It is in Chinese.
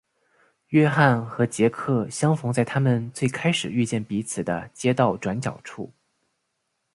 约翰和杰克相逢在他们最开始遇见彼此的街道转角处。